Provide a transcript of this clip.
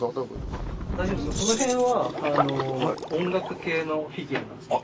その辺は音楽系のフィギュアなんですけど。